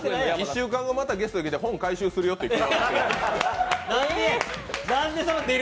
１週間後またゲストに来て本回収するよってしてください。